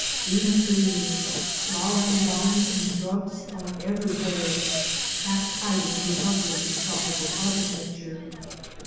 Green trees, flowering vines and shrubs are everywhere, half hiding the ugly, tropical architecture.